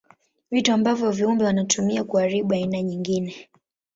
Vitu ambavyo viumbe wanatumia kuharibu aina nyingine.